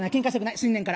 新年から。